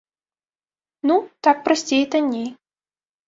Ну, так прасцей і танней.